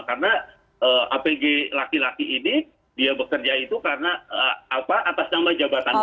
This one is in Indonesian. karena apg laki laki ini dia bekerja itu karena apa atas nama jabatannya